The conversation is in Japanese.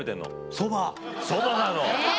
そばなの。